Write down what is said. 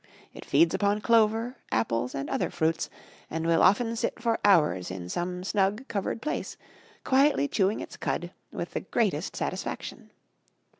It feeds upon clover, apples, and other fruits, and will often sit for hours in some snug covered place, quietly chewing its cud, with the greatest satisfaction.